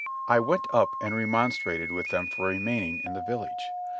I went up and remonstrated with them for remaining in the village.